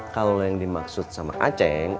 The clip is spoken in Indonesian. kalau yang dimaksud sama a ceng